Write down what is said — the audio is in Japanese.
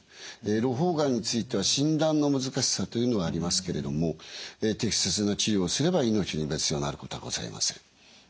ろ胞がんについては診断の難しさというのはありますけれども適切な治療をすれば命に別状のあることはございません。